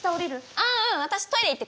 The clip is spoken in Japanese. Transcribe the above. あううん私トイレ行ってくるから！